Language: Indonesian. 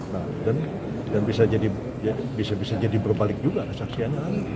nah dan bisa jadi berbalik juga saksianya